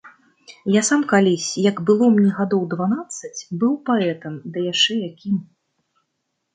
Я сам калісь, як было мне гадоў дванаццаць, быў паэтам, ды яшчэ якім!